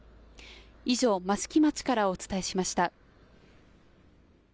以上、益城町からお伝えしました。